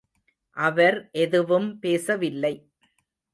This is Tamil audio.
அவர் எதுவும் பேசவில்லை.